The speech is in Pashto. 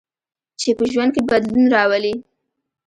چې په ژوند کې بدلون راولي.